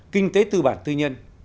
kinh tế tư bản tư nhân